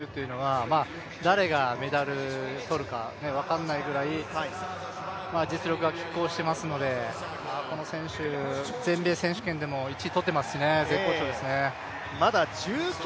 ナイトン選手、やはり１００の３名とナイトン選手、誰がメダル取るか分からないぐらい、実力がきっ抗していますのでこの選手、全米選手権でも１位を取っていますし絶好調です。